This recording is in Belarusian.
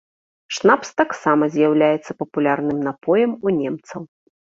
Шнапс таксама з'яўляецца папулярным напоем у немцаў.